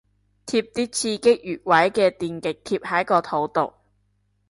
貼啲刺激穴位嘅電極貼喺個肚度